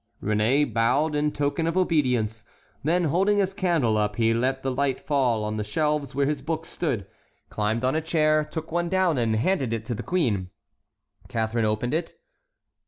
Réné bowed in token of obedience, then holding his candle up he let the light fall on the shelves where his books stood, climbed on a chair, took one down, and handed it to the queen. Catharine opened it.